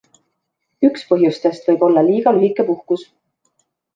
Üks põhjustest võib olla liiga lühike puhkus.